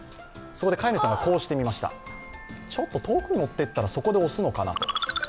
そこで飼い主さんがこうしてみました、ちょっと遠くに持っていったらそこで押すのかなと。